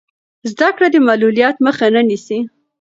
زده کړه د معلولیت مخه نه نیسي.